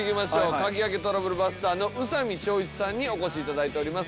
鍵開けトラブルバスターの宇佐美翔一さんにお越しいただいております。